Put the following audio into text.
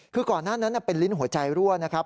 คือก่อนหน้านั้นเป็นลิ้นหัวใจรั่วนะครับ